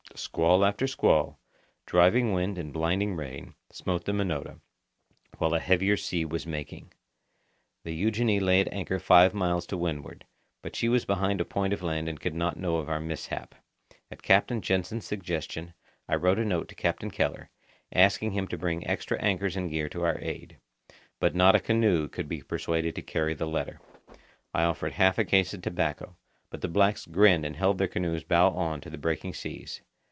Squall after squall, driving wind and blinding rain, smote the Minota, while a heavier sea was making. The Eugenie lay at anchor five miles to windward, but she was behind a point of land and could not know of our mishap. At Captain Jansen's suggestion, I wrote a note to Captain Keller, asking him to bring extra anchors and gear to our aid. But not a canoe could be persuaded to carry the letter. I offered half a case of tobacco, but the blacks grinned and held their canoes bow on to the breaking seas.